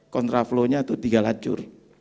kontraflownya itu tiga lancur